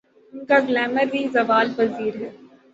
ان کا گلیمر بھی زوال پذیر ہے۔